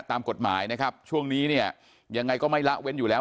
ตามกฎหมายนะครับช่วงนี้เนี่ยยังไงก็ไม่ละเว้นอยู่แล้ว